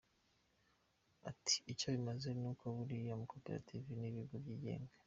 Ati “Icyo bimaze ni uko buriya amakopetarive ni ibigo byigenga.